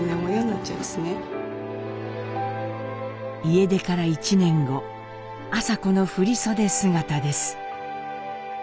家出から１年後麻子の振り袖姿です。